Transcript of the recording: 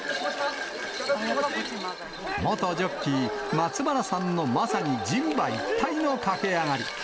元ジョッキー、松原さんのまさに人馬一体の駆け上がり。